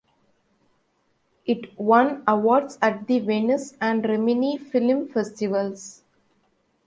It won awards at the Venice and Rimini film festivals.